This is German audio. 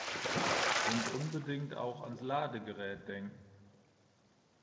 Und unbedingt auch ans Ladegerät denken!